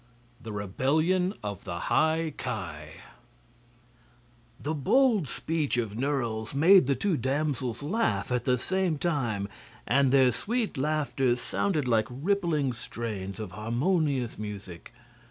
16. The Rebellion of the High Ki The bold speech of Nerle's made the two damsels laugh at the same time, and their sweet laughter sounded like rippling strains of harmonious music.